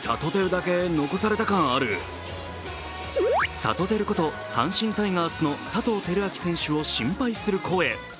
サトテルこと阪神タイガースの佐藤輝明選手を心配する声。